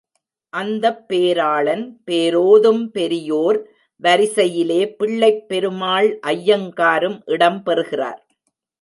அந்தப் பேராளன் பேரோதும் பெரியோர் வரிசையிலே பிள்ளைப் பெருமாள் அய்யங்காரும் இடம் பெறுகிறார்.